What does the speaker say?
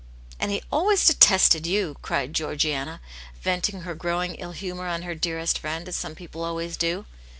" And he always detested you!" cried Georgiana, venting her growing ill humour on her dearest friend, as some people always do.